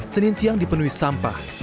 senin siang dipenuhi sampah